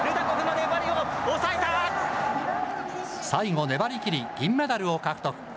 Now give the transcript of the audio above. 粘りを、最後粘り切り、銀メダルを獲得。